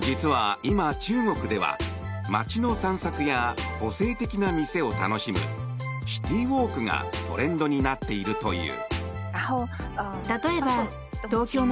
実は今、中国では街の散策や個性的な店を楽しむシティーウォークがトレンドになっているという。